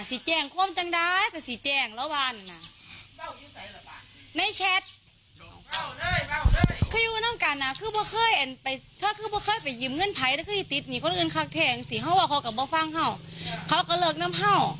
สี่แจ้งความจังได้ก็สี่แจ้งระวังนะ